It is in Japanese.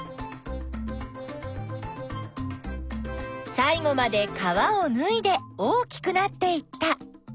さい後まで皮をぬいで大きくなっていった。